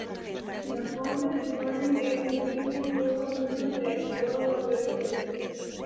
Jenofonte supone que esta insignia estuvo en uso entre todos los reyes de Persia.